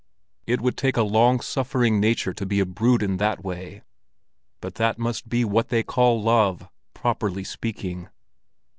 It would take a long suffering nature to be a brute in that way; but that must be what they call love, properly speaking.